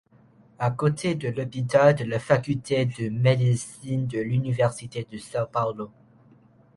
À côté de l'hôpital de la Faculté de Médecine de l'Université de São Paulo.